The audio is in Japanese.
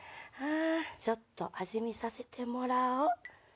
ちょっと味見させてもらお。